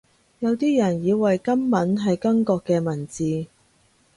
有啲人以為金文係金國嘅文字